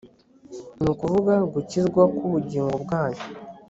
ni ukuvuga gukizwa kubugingo bwanyu